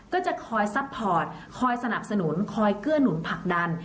ก็จะคอยซัพพอร์ตคอยสนับสนุนคอยเกื้อหนุนผลักดัน